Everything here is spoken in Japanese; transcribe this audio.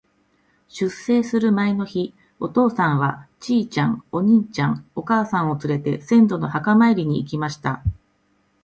出征する前の日、お父さんは、ちいちゃん、お兄ちゃん、お母さんをつれて、先祖の墓参りに行きました。